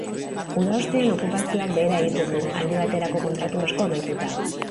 Uda ostean, okupazioak behera egiten du, aldi baterako kontratu asko amaituta.